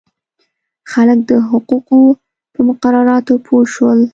خلک د حقوقو په مقرراتو پوه شول.